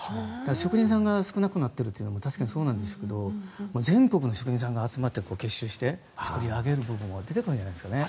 職人さんが少なくなっているのもそうなんですけど全国の職人さんが集まって結集して作り上げることが出てくるんじゃないですかね。